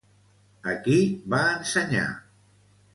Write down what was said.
A qui va ensenyar?